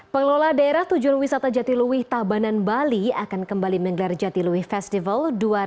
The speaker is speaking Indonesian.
pengelola daerah tujuan wisata jatiluwi tabanan bali akan kembali menggelar jatiluwi festival dua ribu sembilan belas